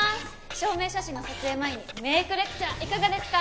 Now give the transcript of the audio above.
証明写真の撮影前にメイクレクチャーいかがですか？